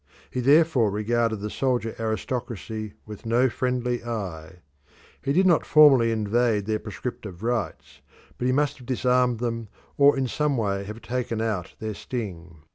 He therefore regarded the soldier aristocracy with no friendly eye. He did not formally invade their prescriptive rights, but he must have disarmed them or in some way have taken out their sting.